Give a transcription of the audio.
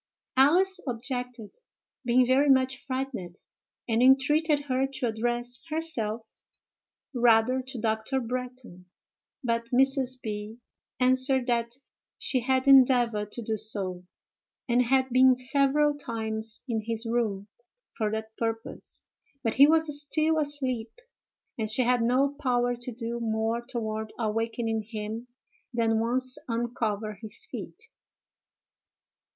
Alice objected, being very much frightened, and entreated her to address herself rather to Dr. Bretton; but Mrs. B. answered that _she had endeavored to do so, and had been several times in his room for that purpose, but he was still asleep, and she had no power to do more toward awakening him than once uncover his feet_.